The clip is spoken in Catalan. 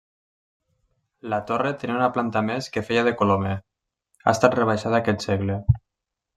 La torre tenia una planta més que feia de colomer, ha estat rebaixada aquest segle.